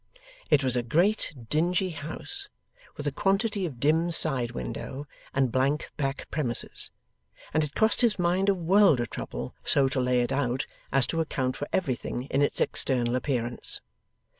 It was a great dingy house with a quantity of dim side window and blank back premises, and it cost his mind a world of trouble so to lay it out as to account for everything in its external appearance.